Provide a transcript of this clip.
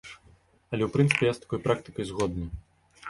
Але ў прынцыпе я з такой практыкай згодны.